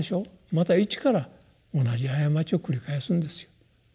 また一から同じ過ちを繰り返すんですよ。